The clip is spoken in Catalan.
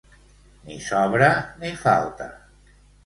Ni sobra ni falta.